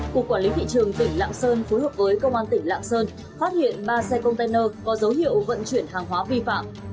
cục quản lý thị trường tỉnh lạng sơn phối hợp với công an tỉnh lạng sơn phát hiện ba xe container có dấu hiệu vận chuyển hàng hóa vi phạm